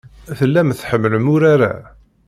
Tellam tḥemmlem urar-a.